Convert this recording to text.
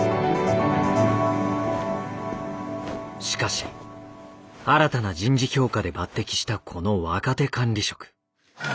しかし新たな人事評価で抜てきしたこの若手管理職。